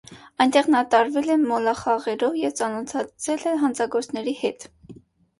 Այնտեղ նա տարվել է մոլախաղերով և ծանոթացել հանցագործների հետ։